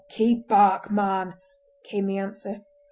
"Keep back, man!" came the answer.